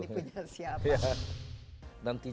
ini punya siapa